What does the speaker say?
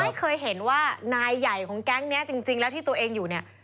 ไม่เคยเห็นว่านายใหญ่ของแก๊งนี้จริงแล้วที่ตัวเองอยู่เนี่ย